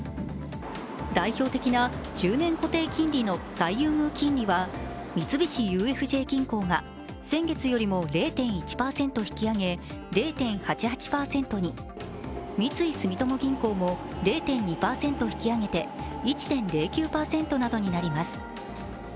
代表的な１０年固定金利の最優遇金利は三菱ＵＦＪ銀行が先月よりも０．１％引き上げ０．８８％に、三井住友銀行も０．２％引き上げて１．０９％などになります。